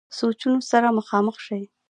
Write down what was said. سوچونو سره مخامخ شي -